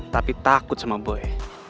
tapi takut sama boy